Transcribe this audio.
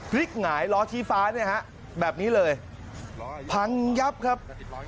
หงายล้อชี้ฟ้าเนี่ยฮะแบบนี้เลยพังยับครับ